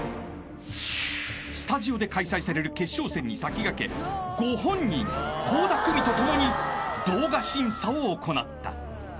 ［スタジオで開催される決勝戦に先駆けご本人倖田來未と共に動画審査を行った］